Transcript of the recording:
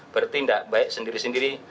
bertindak baik sendiri sendiri